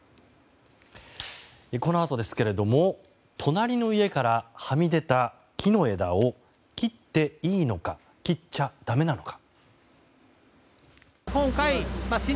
このあと、隣の家からはみ出た木の枝を切っていいのか、だめなのか。